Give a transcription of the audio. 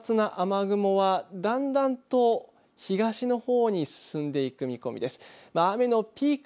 このあと、活発な雨雲はだんだんと東の方に進んでいく見込みです。